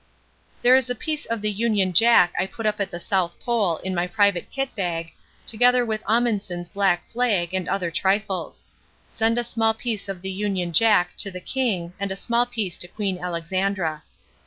There is a piece of the Union Jack I put up at the South Pole in my private kit bag, together with Amundsen's black flag and other trifles. Send a small piece of the Union Jack to the King and a small piece to Queen Alexandra.